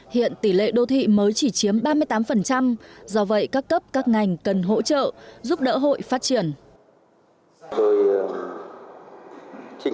hiện tỷ lệ đô thị mới chỉ chiếm ba mươi tám do vậy các cấp các ngành cần hỗ trợ giúp đỡ hội phát triển